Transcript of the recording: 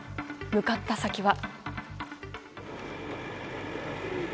向かった先は。